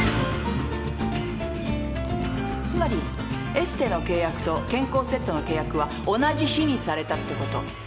つまりエステの契約と健康セットの契約は同じ日にされたってこと。